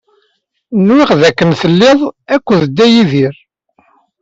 Nwiɣ dakken telliḍ akked Dda Yidir.